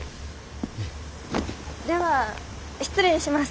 では失礼します。